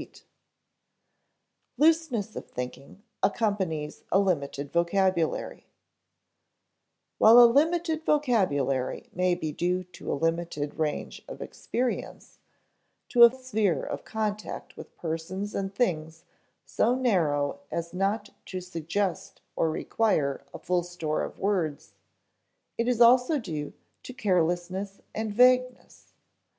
[Sidenote: Looseness of thinking accompanies a limited vocabulary] While a limited vocabulary may be due to a limited range of experience, to a sphere of contact with persons and things so narrow as not to suggest or require a full store of words, it is also due to carelessness and vagueness.